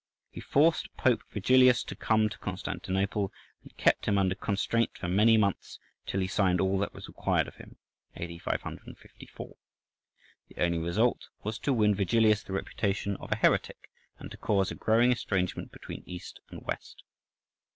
He forced Pope Vigilius to come to Constantinople, and kept him under constraint for many months, till he signed all that was required of him [A.D. 554]. The only result was to win Vigilius the reputation of a heretic, and to cause a growing estrangement between East and West.